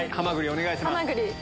お願いします。